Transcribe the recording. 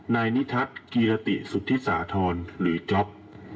นายนิทัศน์กีรติสุธิสาธรณ์หรือจ๊อป